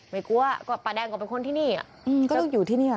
ไม่กลัวก็ป้าแดงก็เป็นคนที่นี่ก็อยู่ที่นี่